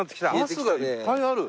バスがいっぱいある。